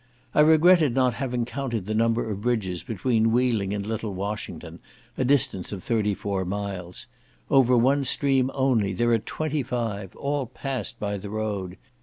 I regretted not having counted the number of bridges between Wheeling and Little Washington, a distance of thirty four miles; over one stream only there are twenty five, all passed by the road.